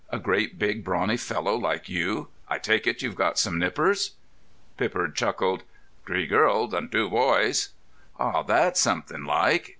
A great, big, brawny fellow like you. I take it you've got some nippers?" Pippard chuckled. "Three girls and two boys." "Ah, that's something like!